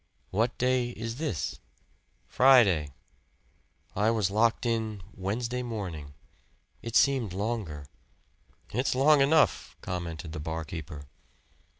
"What day is this?" "Friday." "I was locked in Wednesday morning. It seemed longer." "It's long enough," commented the barkeeper.